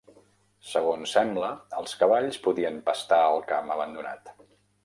Segons sembla, els cavalls podien pastar al camp abandonat.